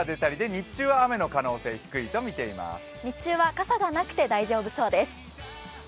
日中は傘がなくて大丈夫そうです。